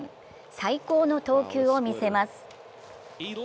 最高の投球を見せます。